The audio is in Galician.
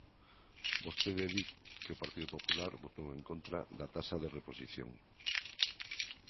Vostede di que o Partido Popular votou en contra da taxa de reposición.